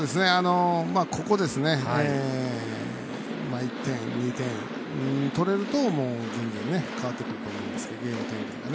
ここ１点、２点、取れると全然、変わってくると思うんですけどゲーム展開が。